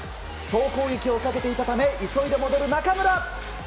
総攻撃をかけていたため急いで戻る中村。